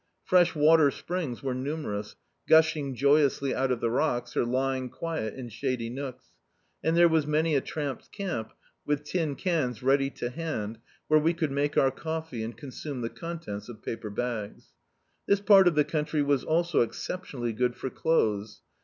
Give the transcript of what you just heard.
Fresh water springs were numerous, gushing joyously out of the rocks, or lying quiet in shady nool^; and there was many a. tramps' camp, with tin cans ready to hand, where we could make our coffee and con sume the contents of paper bags. This part of the country was also exceptionally good for clothes.